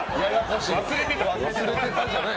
忘れてた。